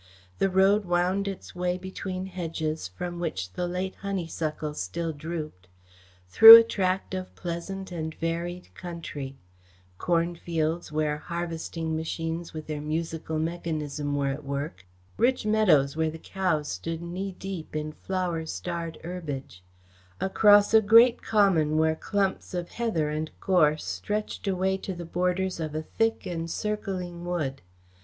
The road wound its way between hedges from which the late honeysuckle still drooped, through a tract of pleasant and varied country; corn fields where harvesting machines with their musical mechanism were at work, rich meadows where the cows stood knee deep in flower starred herbage, across a great common where clumps of heather and gorse stretched away to the borders of a thick, encircling wood.